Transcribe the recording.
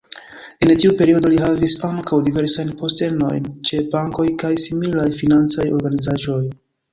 En tiu periodo li havis ankaŭ diversajn postenojn ĉe bankoj kaj similaj financaj organizaĵoj.